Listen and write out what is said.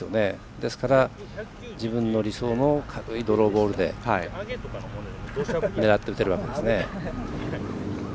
ですから、自分の理想の軽いドローボールで狙って打てるわけですね。